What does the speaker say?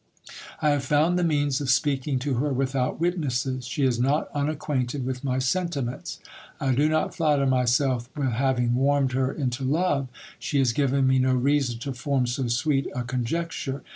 I have found the means of speaking to her without witnesses. She is not un acquainted with my sentiments. I do not flatter myself with having warmed her into love ; she has given me no reason to form so sweet a conjecture.